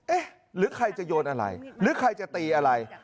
เอ๊ะหรือใครจะโยนอะไรหรือใครจะตีอะไร